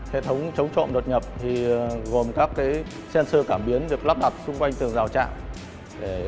hệ thống chống trộm đột nhập gồm các sensor cảm biến được lắp đặt xung quanh tường rào trạm